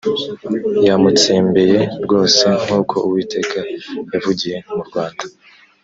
yamutsembeye rwose nk uko uwiteka yavugiye mu rwanda